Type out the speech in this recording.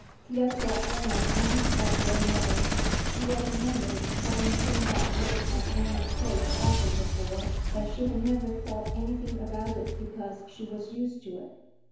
Thea saw Anna glance at their mother. Thea remembered having seen that look on Anna's face often before, but she had never thought anything about it because she was used to it.